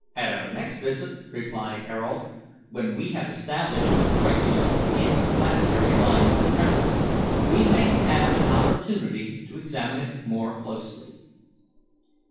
"At our next visit," replied Ayrault, "when we have established regular interplanetary lines of travel, we may have an opportunity to examine it more closely."